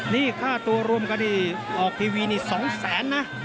นี่ค่าตัวรวมกันที่ออกทีวีนี่๒แสนนะ